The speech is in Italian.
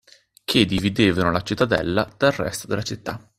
Che dividevano la cittadella dal resto della città